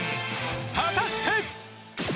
果たして。